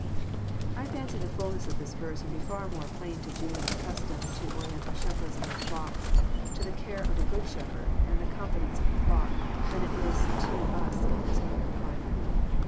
I fancy the fhlness of this verse would be far more plain to Jews accustomed to Oriental shepherds and their flocks, to the care of a good shepherd and the confidence of a flock, than it is to us in this Northern climate.